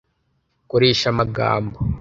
Koresha amagambo